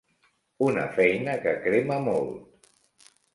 Una feina que crema molt.